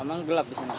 emang gelap di sana